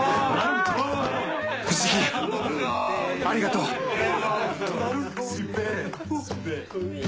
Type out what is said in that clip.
藤木ありがとう！